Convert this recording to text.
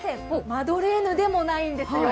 マドレーヌでもないんですよ。